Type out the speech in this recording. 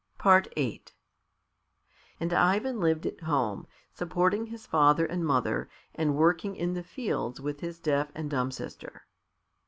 VIII And Ivan lived at home, supporting his father and mother and working in the fields with his deaf and dumb sister.